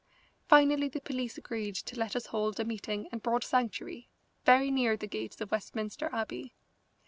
Finally the police agreed to let us hold a meeting in Broad Sanctuary, very near the gates of Westminster Abbey.